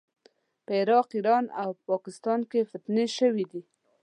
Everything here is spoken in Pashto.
په عراق، ایران او پاکستان کې فتنې شوې دي.